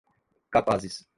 capazes